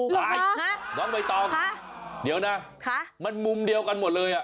หรือเปล่าคะน้องไบตองเดี๋ยวนะมันมุมเดียวกันหมดเลย